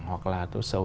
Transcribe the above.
hoặc là tốt xấu